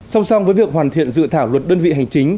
song song với việc hoàn thiện dự thảo luật đơn vị hành chính